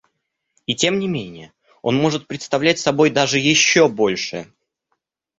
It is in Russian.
И, тем не менее, он может представлять собой даже еще большее.